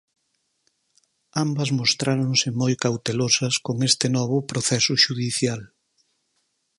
Ambas mostráronse moi cautelosas con este novo proceso xudicial.